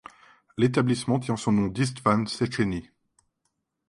L'établissement tient son nom d'István Széchenyi.